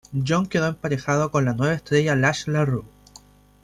John quedó emparejado con la nueva estrella Lash La Rue.